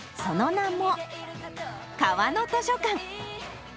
その名も、川の図書館。